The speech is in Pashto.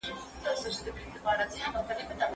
کله چې تدریس بشپړ سي نو پوهنه پخیږي.